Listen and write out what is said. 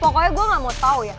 pokoknya gue gak mau tahu ya